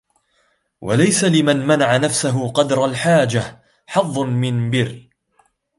وَلَيْسَ لِمَنْ مَنَعَ نَفْسَهُ قَدْرَ الْحَاجَةِ حَظٌّ مِنْ بِرٍّ